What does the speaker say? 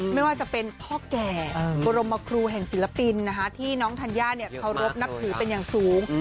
ไม่ว่าจะเป็นพ่อแก่บรมครูแห่งศิลปินที่น้องธัญญาเคารพนับถือเป็นอย่างสูง